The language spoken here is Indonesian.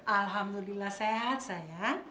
alhamdulillah sehat sayang